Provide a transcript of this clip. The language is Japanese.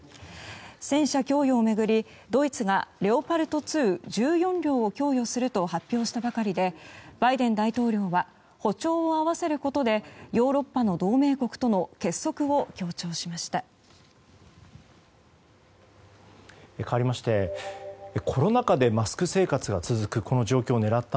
戦車供与を巡りドイツがレオパルト２１４両を供与すると発表したばかりでバイデン大統領は歩調を合わせることでヨーロッパの同盟国との結束を強調しました。